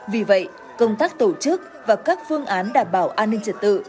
vì vậy công tác tổ chức và các phương án đảm bảo an ninh trật tự